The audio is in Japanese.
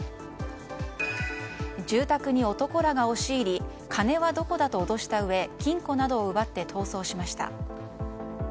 住宅に男らが押し入り金はどこだと脅したうえ金庫などを奪って逃走しました。